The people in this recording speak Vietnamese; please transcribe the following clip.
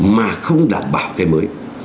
mà không đảm bảo cái mới